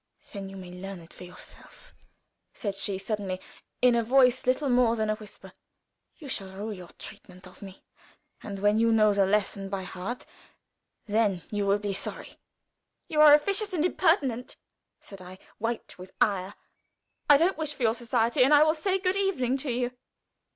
"Then you may learn it for yourself," said she, suddenly, in a voice little more than a whisper. "You shall rue your treatment of me. And when you know the lesson by heart, then you will be sorry." "You are officious and impertinent," said I, white with ire. "I don't wish for your society, and I will say good evening to you."